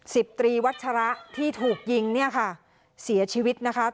สิบตรีวัชระที่ถูกยิงเนี่ยค่ะเสียชีวิตนะคะ